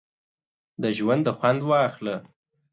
د ژونده خوند واخله!